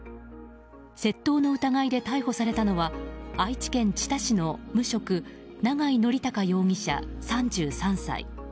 窃盗の疑いで逮捕されたのは愛知県知多市の無職永井徳高容疑者、３３歳。